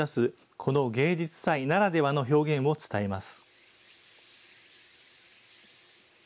この芸術祭ならではの表現を伝えます。